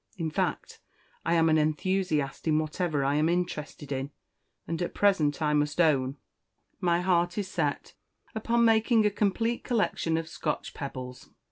In fact, I am an enthusiast in whatever I am interested in; and at present, I must own, my heart is set upon making a complete collection of Scotch pebbles."